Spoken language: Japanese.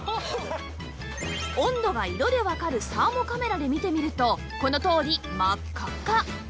温度が色でわかるサーモカメラで見てみるとこのとおり真っ赤っか